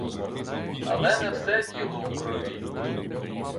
Але не все діло у крові.